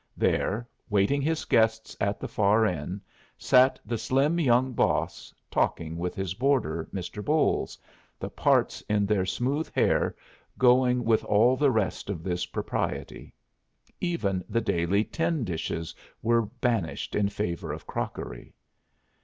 There, waiting his guests at the far end, sat the slim young boss talking with his boarder, Mr. Bolles, the parts in their smooth hair going with all the rest of this propriety. Even the daily tin dishes were banished in favor of crockery.